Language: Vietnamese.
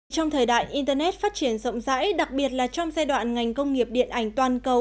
trong thời đại internet phát triển rộng rãi đặc biệt là trong giai đoạn ngành công nghiệp điện ảnh toàn cầu